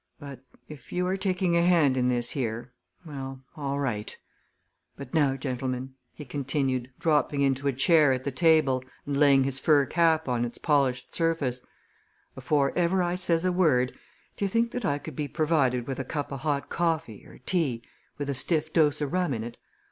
But if you are taking a hand in this here well, all right. But now, gentlemen," he continued dropping into a chair at the table and laying his fur cap on its polished surface, "afore ever I says a word, d'ye think that I could be provided with a cup o' hot coffee, or tea, with a stiff dose o' rum in it?